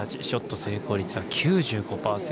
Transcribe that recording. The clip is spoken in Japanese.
ショット成功率は９５％。